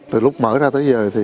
từ lúc mở ra tới giờ